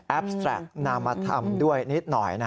แทรกนามธรรมด้วยนิดหน่อย